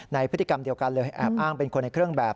พฤติกรรมเดียวกันเลยแอบอ้างเป็นคนในเครื่องแบบ